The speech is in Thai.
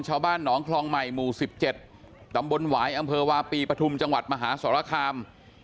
ชาวบ้านหนองคลองใหม่หมู่๑๗ตำบลหวายอำเภอวาปีปฐุมจังหวัดมหาสรคาม